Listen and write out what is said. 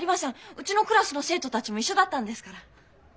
うちのクラスの生徒たちも一緒だったんですから。